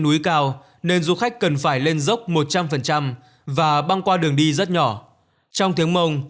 núi cao nên du khách cần phải lên dốc một trăm linh và băng qua đường đi rất nhỏ trong tiếng mông